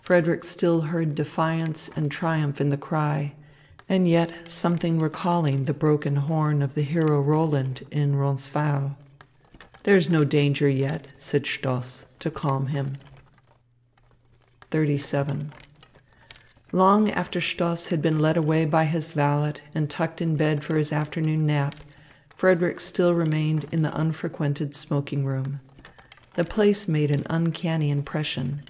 Frederick still heard defiance and triumph in the cry, and yet something recalling the broken horn of the hero Roland in Roncesvalles. "There is no danger yet," said Stoss to calm him. XXXVII Long after Stoss had been led away by his valet and tucked in bed for his afternoon nap, Frederick still remained in the unfrequented smoking room. The place made an uncanny impression.